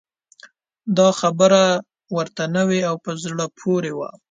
دا خبره ورته نوې او په زړه پورې وه.